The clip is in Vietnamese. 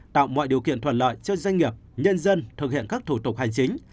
tạo mọi điều kiện thuận lợi cho doanh nghiệp nhân dân thực hiện các thủ tục hành chính